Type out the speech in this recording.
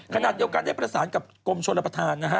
ขณะเดียวกันได้ประสานกับกรมชนรับประทานนะฮะ